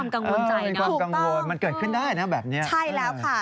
ก็เป็นความกังวลใจนะถูกต้องมันเกิดขึ้นได้นะแบบนี้ใช่แล้วค่ะ